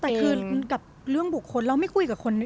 แต่คือกับเรื่องบุคคลเราไม่คุยกับคน